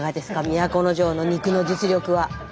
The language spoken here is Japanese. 都城の肉の実力は。